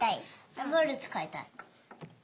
ダンボールつかいたい。